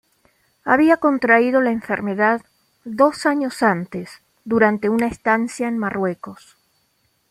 Había contraído la enfermedad dos años antes, durante una estancia en Marruecos.